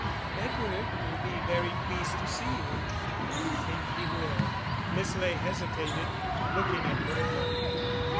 "Edward will be very pleased to see you." "I think he will." Miss Ley hesitated, looking at Bertha.